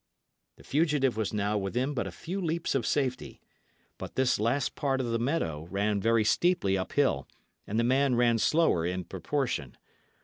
The fugitive was now within but a few leaps of safety; but this last part of the meadow ran very steeply uphill; and the man ran slower in proportion.